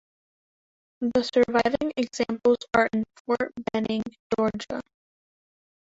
The surviving examples are in Fort Benning, Georgia.